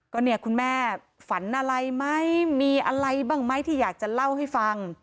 ก็เนี่ยคุณแม่ฝันอะไรไหมมีอะไรบ้างไหมที่อยากจะเล่าให้ฟัง